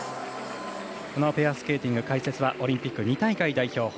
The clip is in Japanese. このペアスケーティング解説はオリンピック２大会代表